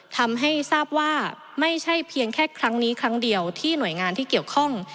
ทำให้ทราบว่าไม่ใช่เพียงแค่ครั้งนี้ครั้งเดียวที่หน่วยงานที่เกี่ยวข้อง